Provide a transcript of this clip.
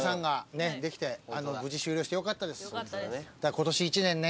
今年一年ね